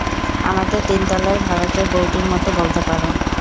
আমাদের তিনতলার ভাড়াটের বৌটির মতো বলতে পার।